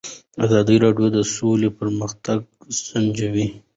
ازادي راډیو د سوله پرمختګ سنجولی.